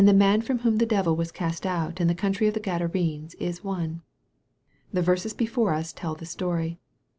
man from wh )m the devil was cast out in the country of the Gadarenes is one. The verses before us tell the story.